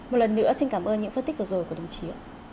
một lần nữa xin cảm ơn những phân tích vừa rồi của đồng chí ạ